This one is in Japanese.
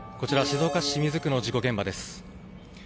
こちら、静岡市清水区の事故現場です。